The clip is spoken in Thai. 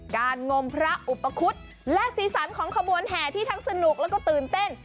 งมพระอุปคุฎและสีสันของขบวนแห่ที่ทั้งสนุกแล้วก็ตื่นเต้น